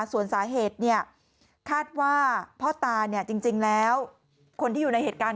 ส่วนสาเหตุคาดว่าพ่อตาจริงแล้วคนที่อยู่ในเหตุการณ์